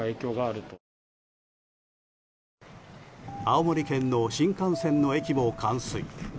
青森県の新幹線の駅も冠水。